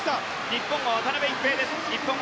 日本は渡辺一平です。